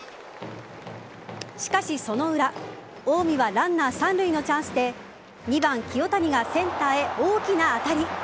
しかし、その裏近江はランナー三塁のチャンスで２番・清谷がセンターへ大きな当たり。